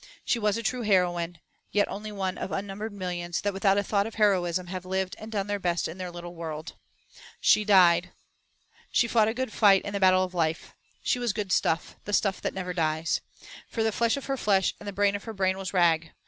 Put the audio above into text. She was a true heroine, yet only one of unnumbered millions that without a thought of heroism have lived and done their best in their little world, and died. She fought a good fight in the battle of life. She was good stuff; the stuff that never dies. For flesh of her flesh and brain of her brain was Rag.